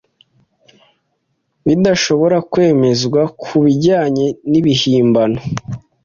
bidashobora kwemezwa ku bijyanye nibihimbano